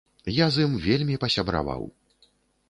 Я з ім вельмі пасябраваў.